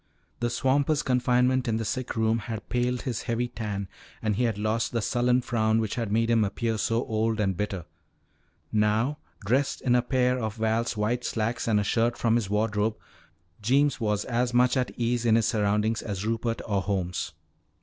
The swamper's confinement in the sick room had paled his heavy tan and he had lost the sullen frown which had made him appear so old and bitter. Now, dressed in a pair of Val's white slacks and a shirt from his wardrobe, Jeems was as much at ease in his surroundings as Rupert or Holmes.